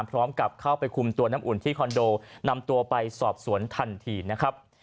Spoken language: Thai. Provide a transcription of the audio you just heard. พร้อมกับเข้าไปคุมตัวน้ำอุ่นที่คอนโดนำตัวไปสอบสวนทันทีนะครับ